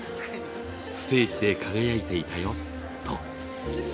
ステージで輝いていたよと。